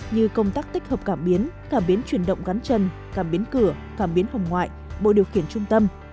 như công tác tích hợp cảm biến cảm biến chuyển động gắn chân cảm biến cửa cảm biến phòng ngoại bộ điều khiển trung tâm